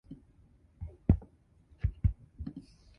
It also was described as ones of the best in the internet.